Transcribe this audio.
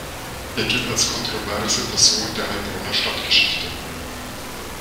Er gilt als kontroverse Person der Heilbronner Stadtgeschichte.